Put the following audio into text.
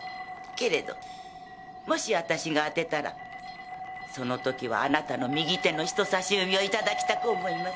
けれどもし私が当てたらその時はあなたの右手の人さし指を頂きたく思います。